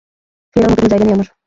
ফেরার মতো কোনো জায়গা নেই আমার।